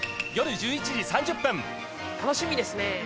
夜１１時３０分楽しみですね